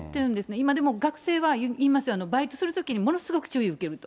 今、でも学生は言いますよ、バイトするときに、ものすごく注意を受けると。